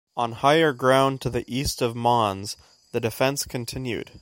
On higher ground to the east of Mons, the defence continued.